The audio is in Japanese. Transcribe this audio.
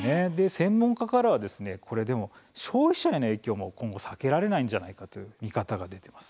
専門家からはでも、消費者への影響も今後、避けられないんじゃないかという見方が出ています。